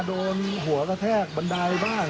โดนหัวกระแทกบันไดบ้าง